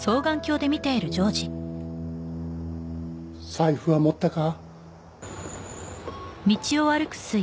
財布は持ったか？